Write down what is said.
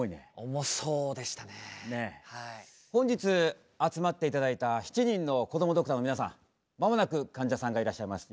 本日集まって頂いた７人のこどもドクターの皆さん間もなくかんじゃさんがいらっしゃいます。